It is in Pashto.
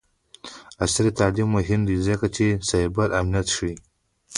عصري تعلیم مهم دی ځکه چې سایبر امنیت ښيي.